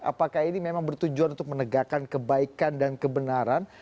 apakah ini memang bertujuan untuk menegakkan kebaikan dan kebenaran